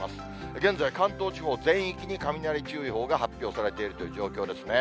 現在、関東地方全域に雷注意報が発表されているという状況ですね。